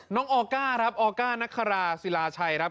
ออก้าครับออก้านักคาราศิลาชัยครับ